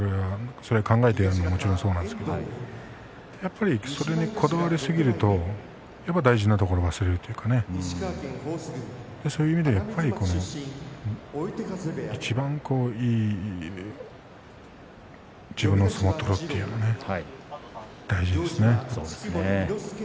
それは考えてやるのはもちろんそうなんですけれどやっぱり、こだわりすぎると大事なところを忘れるというかそういう意味でやっぱりいちばんいい自分の相撲を取ろうというのが大事ですね。